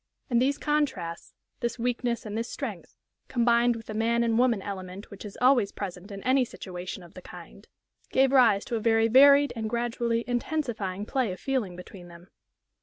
And these contrasts this weakness and this strength combined with the man and woman element which is always present in any situation of the kind, gave rise to a very varied and gradually intensifying play of feeling between them.